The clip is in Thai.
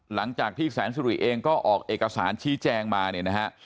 หลังจากที่แสนสุริเองก็ออกเอกสารชี้แจงมาเนี่ยนะฮะ